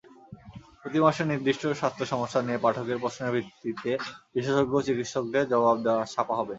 প্রতি মাসে নির্দিষ্ট স্বাস্থ্যসমস্যা নিয়ে পাঠকের প্রশ্নের ভিত্তিতে বিশেষজ্ঞ চিকিৎসকের জবাব ছাপা হবে।